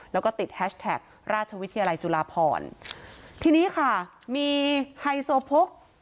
แล้วก็ติดแฮชแท็กราชวิทยาลัยจุฬาพรทีนี้ค่ะมีไฮโซโพก